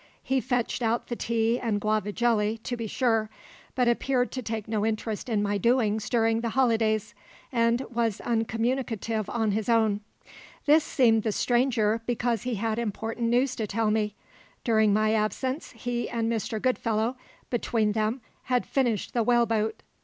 He fetched out the tea and guava jelly, to be sure, but appeared to take no interest in my doings during the holidays, and was uncommunicative on his own. This seemed the stranger because he had important news to tell me. During my absence he and Mr. Goodfellow between them had finished the whaleboat.